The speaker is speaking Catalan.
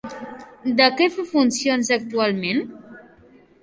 De què fa funcions actualment?